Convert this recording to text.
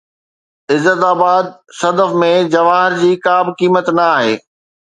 عزت آباد-صدف ۾ جواهر جي ڪا به قيمت نه آهي